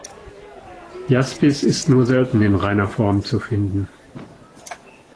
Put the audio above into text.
Jaspis ist nur sehr selten in reiner Form zu finden.